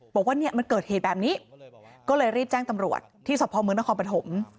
บอกว่าเนี่ยมันเกิดเหตุแบบนี้ก็เลยรีบแจ้งตำรวจที่สพมนครปฐม